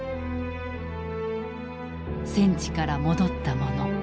戦地から戻った者。